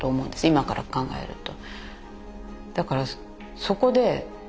今から考えると。